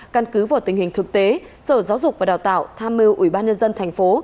căn cứ vào tình hình thực tế sở giáo dục và đào tạo tham mưu ủy ban nhân dân thành phố